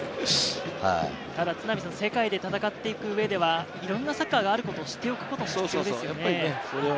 世界で戦っていく上ではいろんなサッカーがあることを知っておくことも重要ですよね。